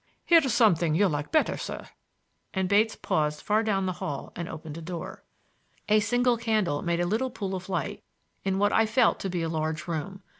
"Here's something you'll like better, sir,"—and Bates paused far down the hall and opened a door. A single candle made a little pool of light in what I felt to be a large room.